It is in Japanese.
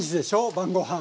晩ごはん。